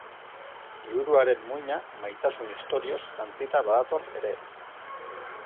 Liburuaren muina, maitasun istorioz jantzita badator ere.